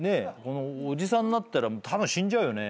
おじさんになったらたぶん死んじゃうよね。